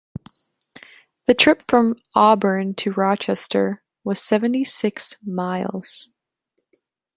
The trip from Auburn to Rochester was seventy-six miles.